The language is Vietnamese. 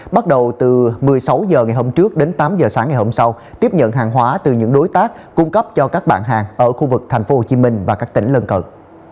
bắt đầu từ một mươi sáu h ngày hôm trước đến tám h sáng ngày hôm sau tiếp nhận hàng hóa từ những đối tác cung cấp cho các bạn hàng ở khu vực tp hcm và các tỉnh lân cận